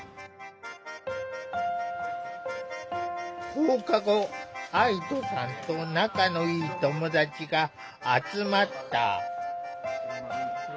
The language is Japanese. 放課後愛土さんと仲のいい友達が集まった。